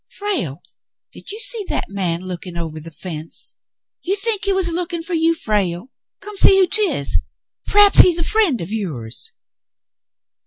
Frale, did you see that man lookin' over the fence? (<' 140 The Mountain Girl You think he was lookin' for you, Frale ? Come see who 'tis. P'r'aps he's a friend of yours."